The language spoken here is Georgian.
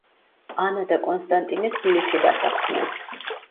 ანა და კონსტანტინე თბილისში დასახლდნენ.